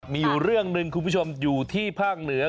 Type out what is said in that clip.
มีอยู่เรื่องหนึ่งคุณผู้ชมอยู่ที่ภาคเหนือ